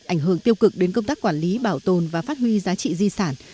ảnh hưởng tiêu cực đến công tác quản lý bảo tồn và phát huy giá trị di sản